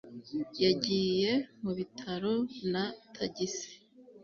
yagiye mu bitaro na tagisi